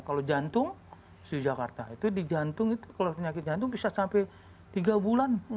kalau jantung di jakarta itu di jantung itu kalau penyakit jantung bisa sampai tiga bulan